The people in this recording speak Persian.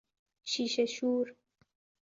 شیشه شور